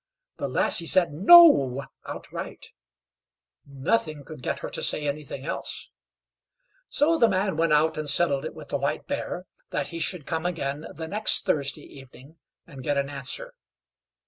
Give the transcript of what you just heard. The lassie said "No!" outright. Nothing could get her to say anything else; so the man went out and settled it with the White Bear that he should come again the next Thursday evening and get an answer.